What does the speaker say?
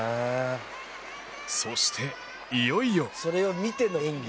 そして、いよいよ。